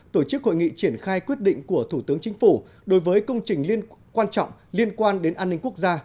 tổ chức hội nghị triển khai quyết định của thủ tướng chính phủ đối với công trình quan trọng liên quan đến an ninh quốc gia